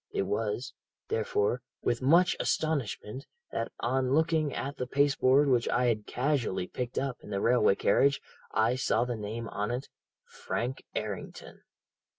It was, therefore, with much astonishment that on looking at the paste board which I had casually picked up in the railway carriage I saw the name on it, "Frank Errington."'